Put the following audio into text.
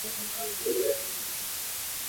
jamii ya asili ya Loreto Peru wanaelewa thamani ya